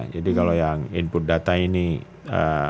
jadi kalau yang input data ini eee